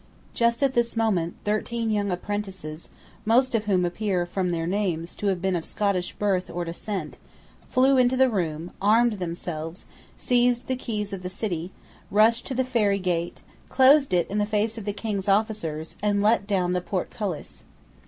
Just at this moment thirteen young apprentices, most of whom appear, from their names, to have been of Scottish birth or descent, flew to the guard room, armed themselves, seized the keys of the city, rushed to the Ferry Gate, closed it in the face of the King's officers, and let down the portcullis.